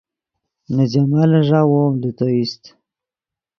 نے جمالن ݱا وو ام لے تو ایست